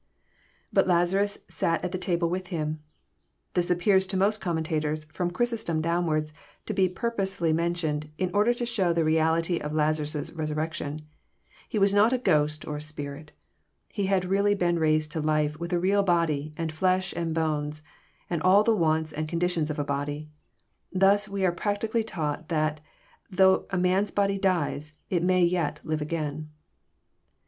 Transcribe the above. [ Bta Lazarus. . .sat at the table wtth him.] This appears to most commentators, ft'om Chrysostom downwards, to be purposely mentioned, in order to show the reality of Lazarus* resurrection. He was not a ghost or a spirit. He had really been raised to life with a real body, and flesh and bones, and all the wants and conditions of a body. Thus we are practically taught that though a man's body dies, it may yet live a^ain.